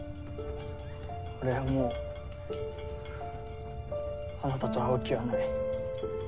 俺はもうあなたと会う気はない。